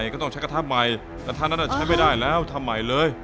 ก็ต้องใช้กระทะใหม่กระทะนั้นใช้ไม่ได้แล้วทำใหม่เลย